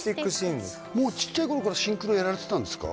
今もうちっちゃい頃からシンクロやられてたんですか？